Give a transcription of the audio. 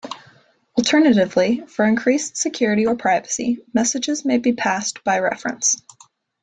Alternatively, for increased security or privacy, messages may be passed "by reference".